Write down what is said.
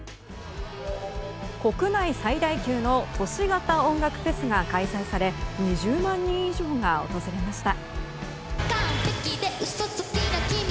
国内最大級の都市型音楽フェスが開催され２０万人以上が訪れました。